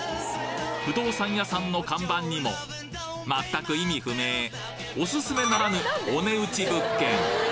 不動産屋さんの看板にも全く意味不明オススメならぬお値打ち物件